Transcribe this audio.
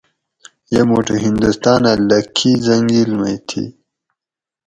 یہ موٹو ھندوستانہ لکھی حٔنگل مئ تھی